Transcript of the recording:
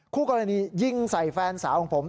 คู่กรณียิงใส่แฟนสาวของผม